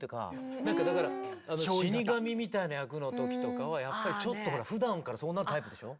なんかだから死神みたいな役の時とかはやっぱりちょっとふだんからそうなるタイプでしょ？